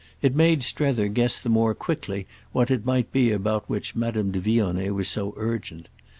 It made Strether guess the more quickly what it might be about which Madame de Vionnet was so urgent.